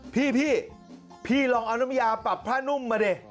พี่พี่ลองเอาน้ำยาปรับผ้านุ่มมาดิ